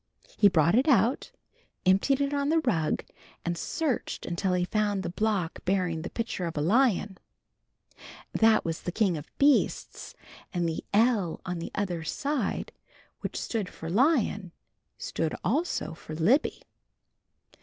He brought it out, emptied it on the rug and searched until he found the block bearing the picture of a lion. That was the king of beasts, and the L on the other side which stood for Lion, stood also for Libby.